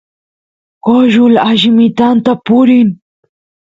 coshul allimitanta purin